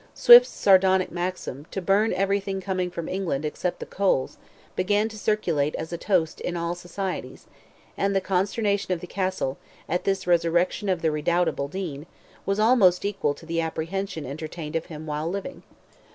Swift's sardonic maxim, "to burn everything coming from England, except the coals," began to circulate as a toast in all societies, and the consternation of the Castle, at this resurrection of the redoubtable Dean, was almost equal to the apprehension entertained of him while living.